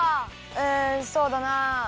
うんそうだな。